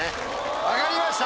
分かりました。